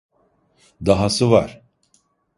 Dahası var.